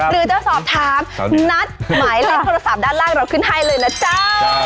หรือจะสอบถามนัดหมายเลขโทรศัพท์ด้านล่างเราขึ้นให้เลยนะจ๊ะ